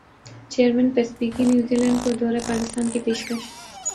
chairman PCB کی New Zealand دورہ پاکستان کی پیشکش